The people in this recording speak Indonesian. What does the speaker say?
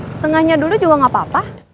setengahnya dulu juga nggak apa apa